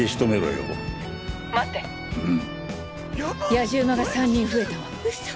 野次馬が３人増えたわ。